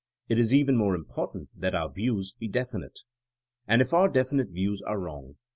It is even more important that our views be defin ite. And if our definite views are wrong?